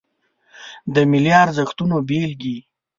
د ملي ارزښتونو بیلګې